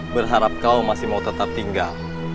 berharap kau masih mau tetap tinggal